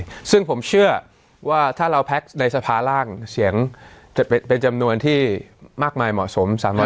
ซึ่งผมเชื่อว่าถ้าเราแพ็คในสภาร่างเสียงจะเป็นจำนวนที่มากมายเหมาะสม